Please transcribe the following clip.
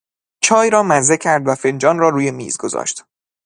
چای را مزه کرد و فنجان را روی میز گذاشت.